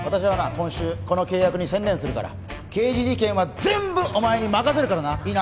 今週この契約に専念するから刑事事件は全部お前に任せるからないいな？